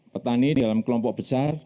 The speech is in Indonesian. petani di dalam kelompok besar